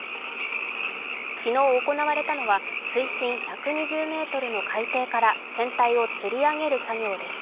昨日行われたのは水深１２０ｍの海底から船体をつり上げる作業です。